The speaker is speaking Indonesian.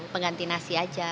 pengganti nasi aja